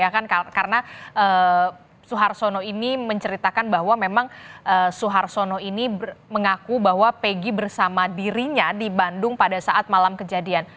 karena suharsono ini menceritakan bahwa memang suharsono ini mengaku bahwa peggy bersama dirinya di bandung pada saat malam kejadian